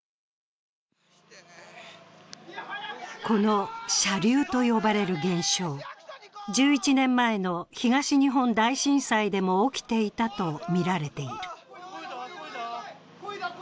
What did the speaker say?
この射流と呼ばれる現象、１１年前の東日本大震災でも起きていたとみられている。